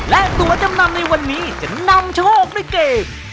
และตัวจำนำในวันนี้จะนำโชคด้วยเกม